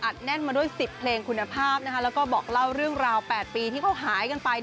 แน่นมาด้วย๑๐เพลงคุณภาพแล้วก็บอกเล่าเรื่องราว๘ปีที่เขาหายกันไป